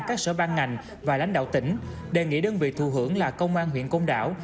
các sở ban ngành và lãnh đạo tỉnh đề nghị đơn vị thù hưởng là công an huyện công đảo